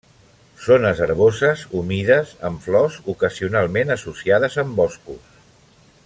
Zones herboses humides amb flors, ocasionalment associades amb boscos.